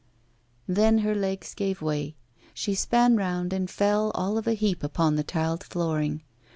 Then her legs gave way. She span round and fell all of a heap upon the tiled flooring.